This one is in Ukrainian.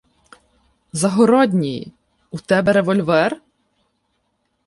Загородній! У тебе револьвер?